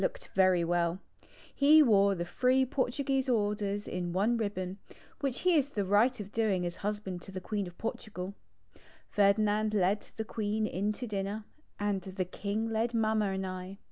1836] ARRIVAL OF PRINCE ALBERT 57 Orders in one ribbon, which he has the right of doing as husband to the Queen of Portugal. Ferdinand led the Queen in to dinner and the King led Mamma and I.